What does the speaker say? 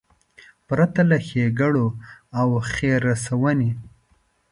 پرته له ښېګړو او خیر رسونې.